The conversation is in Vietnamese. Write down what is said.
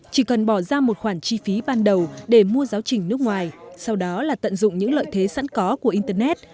chỉ cần bỏ ra một khoản chi phí ban đầu để mua giáo trình nước ngoài sau đó là tận dụng những lợi thế sẵn có của internet